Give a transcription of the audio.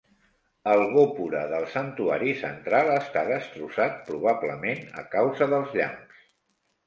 El "gòpura" del santuari central està destrossat, probablement a causa dels llamps.